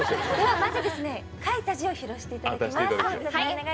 まず書いた字を披露していただきます。